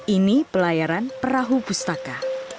ini pelayaran perahu pustaka